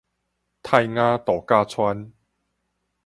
泰雅渡假村